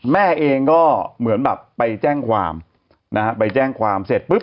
แม่เองก็เหมือนแบบไปแจ้งความเสร็จปุ๊บ